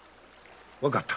わかった！